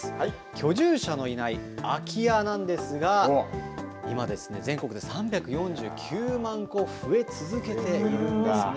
居住者のいない空き家なんですが今ですね、全国に３４９万戸増え続けているんだそうです。